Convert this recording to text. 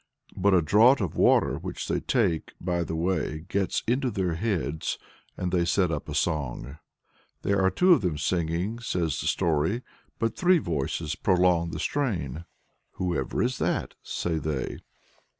But a draught of water which they take by the way gets into their heads, and they set up a song. "There are two of them singing (says the story), but three voices prolong the strain. "'Whoever is that?' say they.